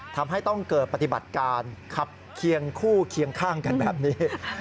ทำให้ต้องเกิดปฏิบัติการขับเคียงคู่เคียงข้างกันแบบนี้